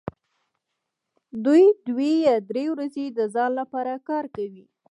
دوی دوې یا درې ورځې د ځان لپاره کار کوي